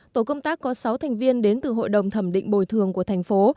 tổ công tác có sáu thành viên đến từ hội đồng thẩm định bồi thường của thành phố